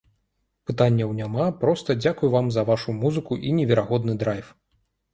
Пытанняў няма, проста дзякуй вам за вашу музыку і неверагодны драйв!